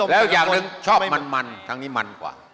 แล้วอย่างหนึ่งชอบมันทั้งนี้มันกว่า